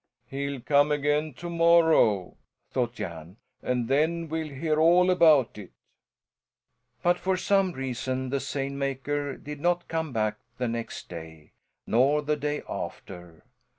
"He'll come again to morrow," thought Jan, "and then we'll hear all about it." But for some reason the seine maker did not come back the next day, nor the day after.